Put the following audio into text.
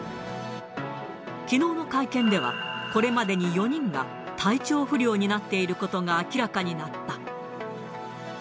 きのうの会見では、これまでに４人が体調不良になっていることが明らかになった。